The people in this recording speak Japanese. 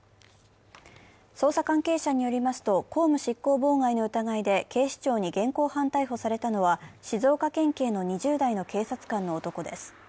捜査関係者によりますと公務執行妨害の疑いで警視庁に現行犯逮捕されたのは静岡県警の２０代の警察官の男です。